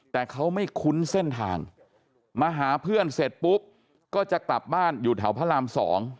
แต่เขาไม่คุ้นเส้นทางมาหาเพื่อนเสร็จปุ๊บก็จะกลับบ้านอยู่แถวพระราม๒